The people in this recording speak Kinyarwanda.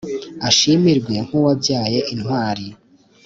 ashimirwe nk’uwabyaye intwari